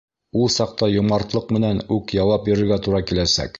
Ул саҡта йомартлыҡ менән үк яуап бирергә тура киләсәк.